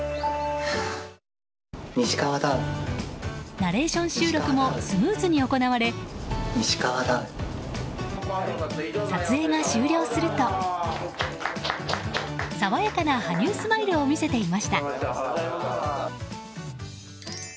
ナレーション収録もスムーズに行われ撮影が終了すると、爽やかな羽生スマイルを見せていました。